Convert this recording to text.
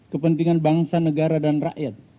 kepentingan bangsa negara dan rakyat